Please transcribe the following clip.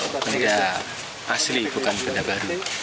benda asli bukan benda baru